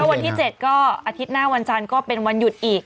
แต่ว่าวันที่๗ก็อาทิตย์หน้าวันจานก็เป็นวันหยุดอีก